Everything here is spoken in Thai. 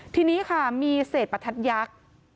ทีนี้ค่ะมีเศษประทัดยักษ์